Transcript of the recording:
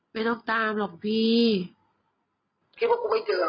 ไม่ต้องตามหรอกพี่คิดว่ากูไม่เจอ